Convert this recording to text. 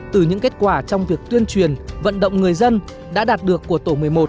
từ những kết quả trong việc tuyên truyền vận động người dân đã đạt được của tổ một mươi một